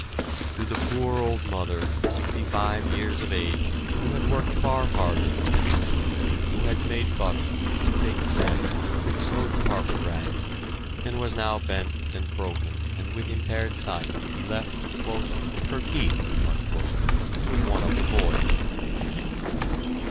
To the poor old mother, sixty five years of age, who had worked far harder than her husband, who had made butter, and baked bread, and sewed carpet rags, and was now bent and broken, and with impaired sight, he left: "her keep" with one of the boys!